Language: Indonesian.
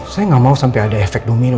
saya nggak mau sampai ada efek domino